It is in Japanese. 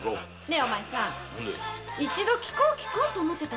お前さん一度聞こう聞こうと思ってたんだけどさ。